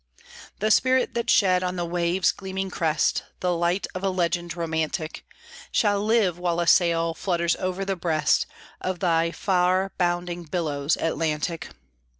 The spirit that shed on the wave's gleaming crest The light of a legend romantic Shall live while a sail flutters over the breast Of thy far bounding billows, Atlantic!